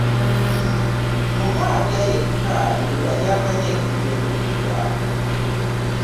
Mukaabya yekka ye yali amanyi ekigendererwa.